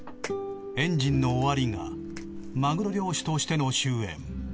エンジンの終わりがマグロ漁師としての終えん。